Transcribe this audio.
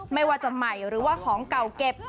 ไม่ว่าจะใหม่หรือว่าของเก่าเก็บ